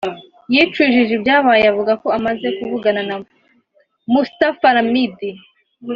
yicujije ibyabaye avuga ko amaze kuvugana na Mustapha Ramid